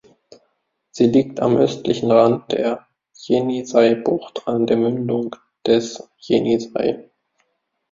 Sie liegt am östlichen Rand der Jenissei-Bucht an der Mündung des Jenissei.